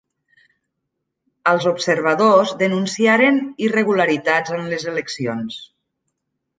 Els observadors denunciaren irregularitats en les eleccions.